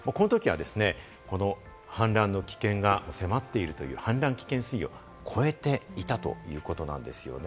このときは氾濫の期限が迫っているという氾濫危険水位を超えていたということなんですよね。